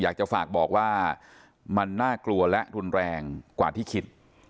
อยากจะฝากบอกว่ามันน่ากลัวและรุนแรงกว่าที่คิด